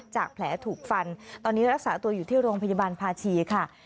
แผลถูกฟันตอนนี้รักษาตัวอยู่ที่โรงพยาบาลภาชีค่ะ